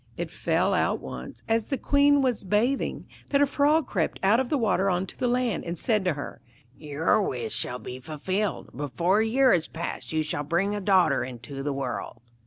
It fell out once, as the Queen was bathing, that a frog crept out of the water on to the land, and said to her: 'Your wish shall be fulfilled; before a year has passed you shall bring a daughter into the world.'